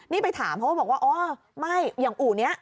นี่ไปถามเขาก็บอกว่าอ๋อไม่อย่างอู่นี้